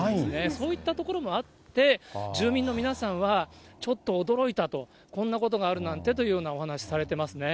そういった所もあって、住民の皆さんはちょっと驚いたと、こんなことがあるなんてというようなお話しされてますね。